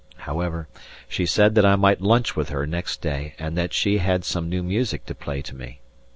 However, she said that I might lunch with her next day, and that she had some new music to play to me.